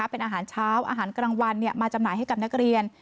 เป็นอาหารเช้าอาหารกลางวันมาจำหน่ายให้กับนักเรียน